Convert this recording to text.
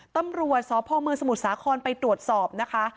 ตำรวจสพมสมุทรสาครไปตรวจสอบนะคะ